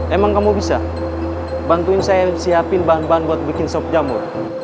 emang kamu bisa bantuin saya siapin bahan bahan buat bikin sop jamur